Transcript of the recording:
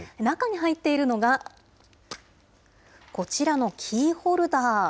中に入っているのが、こちらのキーホルダー。